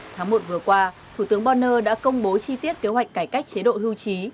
tháng một vừa qua thủ tướng borner đã công bố chi tiết kế hoạch cải cách chế độ hưu trí